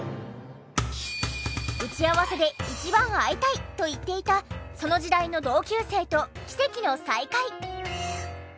打ち合わせで一番会いたいと言っていたその時代の同級生と奇跡の再会！